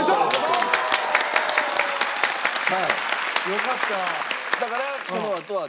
よかった。